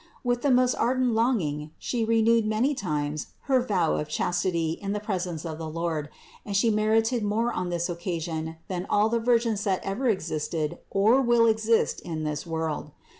With the most ardent longing She renewed many times her vow of chastity in the presence of the Lord, and She merited more on this occasion than all the virgins that ever existed or will exist in this world.